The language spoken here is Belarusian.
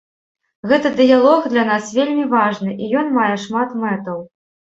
Гэты дыялог для нас вельмі важны, і ён мае шмат мэтаў.